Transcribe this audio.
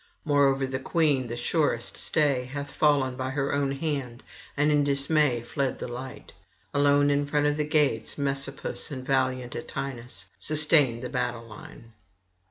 Moreover the queen, thy surest stay, hath fallen by her own hand and in dismay fled the light. Alone in front of the gates Messapus and valiant Atinas sustain the battle line.